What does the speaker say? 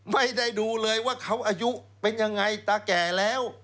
ไม่ได้ดูเลยว่าเขาอายุเป็นยังไงตาแก่แล้ว